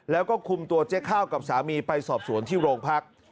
แล้วก็คุมตัวเจ๊ข้าวกับสามีไปสอบสวนที่โรงพัก